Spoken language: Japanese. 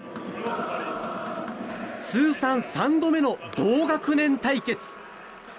通算３度目の同学年対決。